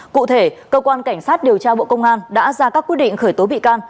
cụ thể cơ quan cảnh sát điều tra bộ công an đã ra các quyết định khởi tố bị can